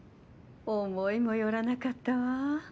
思いもよらなかったわ。